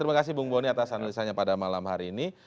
terima kasih bung boni atas analisanya pada malam hari ini